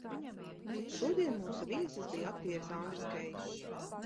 Šodien mūsu viesis bija aktieris Andris Keišs.